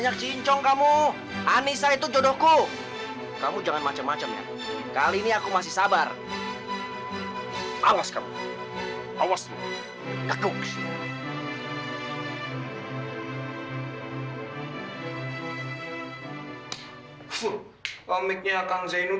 kalau begitu bareng dengan anissa ya kang